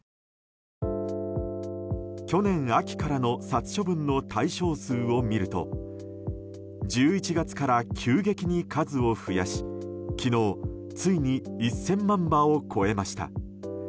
去年秋からの殺処分の対象数を見ると１１月から急激に数を増やし昨日、ついに１０００万羽を超えました。